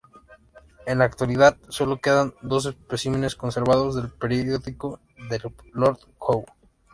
En la actualidad solo quedan dos especímenes conservados del perico de Lord Howe.